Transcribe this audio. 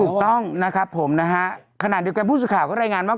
ถูกต้องนะครับผมนะฮะขณะเดียวกันผู้สื่อข่าวก็รายงานว่า